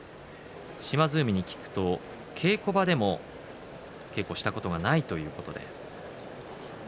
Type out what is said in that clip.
島津海に聞くと稽古場でも稽古をしたことがないということです。